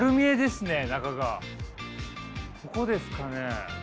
ここですかね？